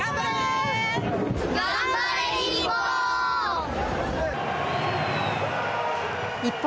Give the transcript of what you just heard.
頑張れ、日本。